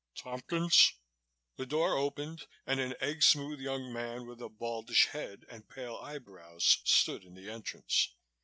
"Tompkins?" The door opened and an egg smooth young man with a baldish head and pale eyebrows stood in the entrance.